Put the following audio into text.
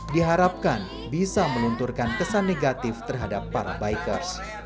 diharapkan bisa melunturkan kesan negatif terhadap para bikers